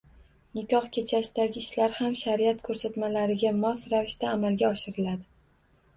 Nikoh kechasidagi ishlar ham shariat ko‘rsatmalariga mos ravishda amalga oshiriladi.